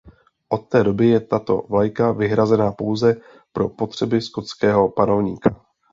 Od té doby je tato vlajka vyhrazena pouze pro potřeby skotského panovníka.